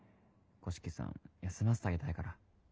五色さん休ませてあげたいから。